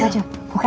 oh yang aku